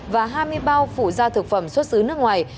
và hai mươi bao phụ gia thực phẩm xuất xứ nước ngoài